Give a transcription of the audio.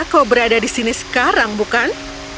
kau berada di sini sekarang bukan